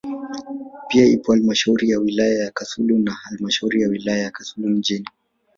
pia ipo halmashauri ya wilaya ya Kasulu na halmashauri ya wilaya ya Kasulu mjini